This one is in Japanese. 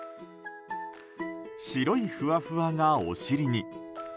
白いふわふわがお尻に。